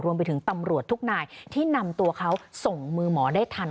รวมไปถึงตำรวจทุกหน่ายที่นำตัวเขาส่งมือหมอได้ทัน